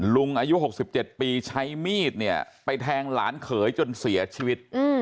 ลุงอายุ๖๗ปีใช้มีดเนี่ยไปแทงหลานเขยจนเสียชีวิต